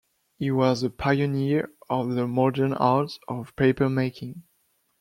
He was a pioneer of the modern art of papermaking.